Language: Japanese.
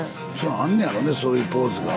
あんねやろねそういうポーズが。